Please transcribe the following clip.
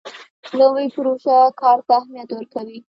نوې پروژه کار ته اهمیت ورکوي